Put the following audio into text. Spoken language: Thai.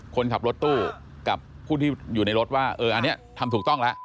คนขับรถตู้กับผู้ที่อยู่ในรถว่าเอออันนี้ทำถูกต้องแล้ว